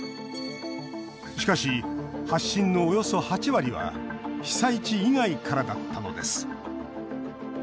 しかし、発信のおよそ８割は被災地以外からだったのです。